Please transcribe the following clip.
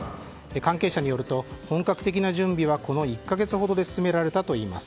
関係者によると本格的な準備はこの１か月ほどで進められたといいます。